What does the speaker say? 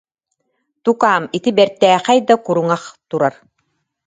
Тукаам, ити бэртээхэй да куруҥах турар